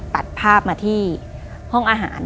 ตัดภาพมาที่ห้องอาหาร